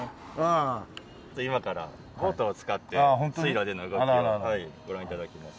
今からボートを使って水路での動きをご覧頂きます。